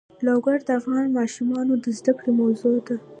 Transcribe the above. لوگر د افغان ماشومانو د زده کړې موضوع ده.